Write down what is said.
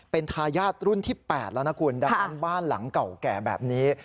เป็นทายาทรุ่นที่๘แล้วนะคุณดังนั้นบ้านหลังเก่าแก่แบบนี้